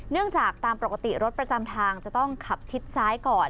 จากตามปกติรถประจำทางจะต้องขับชิดซ้ายก่อน